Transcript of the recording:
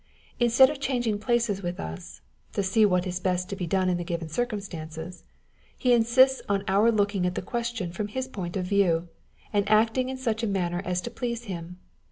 Instead of changing places with us (to see what is best to be done in the given circumstances), he insists on our looking at the question from his point of view, and acting in such a manner as to please him.